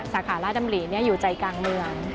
สาขาราชดำรีอยู่ใจกลางเมือง